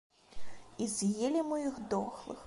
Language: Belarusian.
І з'елі мы іх дохлых.